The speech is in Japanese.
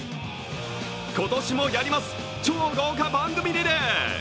今年もやります、超豪華番組リレー。